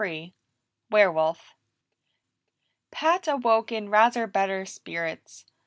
23 Werewolf Pat awoke in rather better spirits.